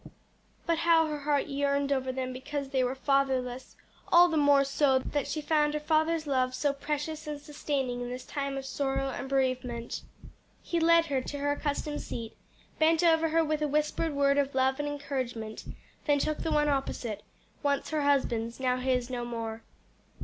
But how her heart yearned over them because they were fatherless; all the more so that she found her father's love so precious and sustaining in this time of sorrow and bereavement. He led her to her accustomed seat, bent over her with a whispered word of love and encouragement, then took the one opposite once her husband's, now his no more.